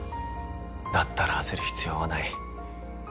だったら焦る必要はない。